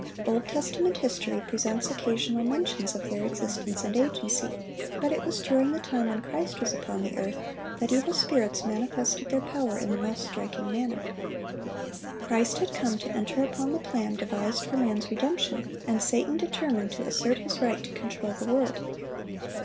Old Testament history presents occasional mentions of their existence and agency; but it was during the time when Christ was upon the earth that evil spirits manifested their power in the most striking manner. Christ had come to enter upon the plan devised for man's redemption, and Satan determined to assert his right to control the world.